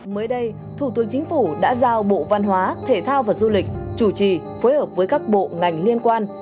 mới đây thủ tướng chính phủ đã giao bộ văn hóa thể thao và du lịch chủ trì phối hợp với các bộ ngành liên quan